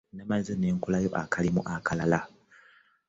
Namaze ne nkolayo akalimu akalala.